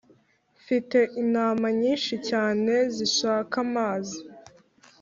mfite intama nyinshi cyane zishaka amazi